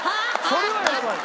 それはやばい。